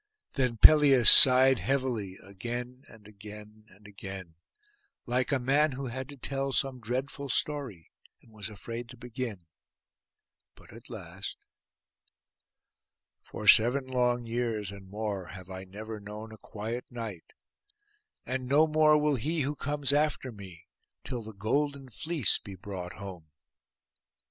Then Pelias sighed heavily again and again and again, like a man who had to tell some dreadful story, and was afraid to begin; but at last— 'For seven long years and more have I never known a quiet night; and no more will he who comes after me, till the golden fleece be brought home.